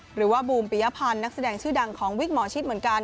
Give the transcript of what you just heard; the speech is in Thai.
หรือว่าบูมปิยะพันธุ์นักแสดงชื่อดังของวิกมอชิตเหมือนกัน